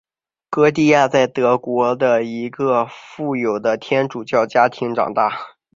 歌地亚在德国的一个富有的天主教家庭长大。